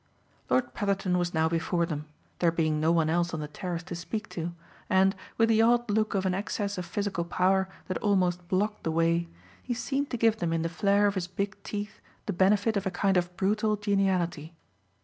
Lord Petherton was now before them, there being no one else on the terrace to speak to, and, with the odd look of an excess of physical power that almost blocked the way, he seemed to give them in the flare of his big teeth the benefit of a kind of brutal geniality.